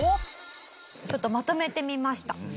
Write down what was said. ちょっとまとめてみました。